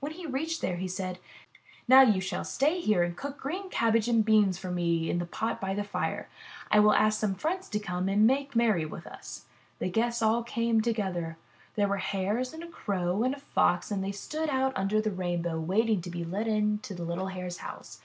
When he reached there, he said: ''Now you shall stay here, and cook green cabbage and beans for me in the pot by the fire. I will ask some friends to come in and make merry with us." The guests all came together. They were Hares, and a Crow, and a Fox, and they stood out under 242 IN THE NURSERY the rainbow, waiting to be let in to the little Hare's house.